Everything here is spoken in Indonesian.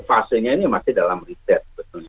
fasenya ini masih dalam riset